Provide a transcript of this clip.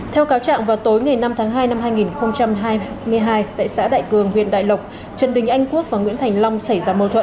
theo cáo trạng vào tối ngày năm tháng hai năm hai nghìn hai mươi hai tại xã đại cường huyện đại lộc trần đình anh quốc và nguyễn thành long xảy ra mâu thuẫn